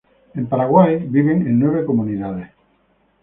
En Paraguay viven en nueve comunidades.